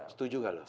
setuju nggak lo